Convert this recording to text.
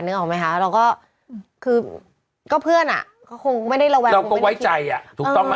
นึกออกไหมคะแล้วก็คือก็เพื่อนอ่ะเขาคงไม่ได้ระวังเราก็ไว้ใจอ่ะถูกต้อง